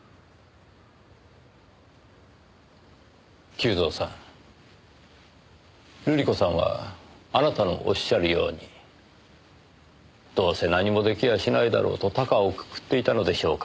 久造さん瑠璃子さんはあなたのおっしゃるようにどうせ何も出来やしないだろうと高をくくっていたのでしょうか？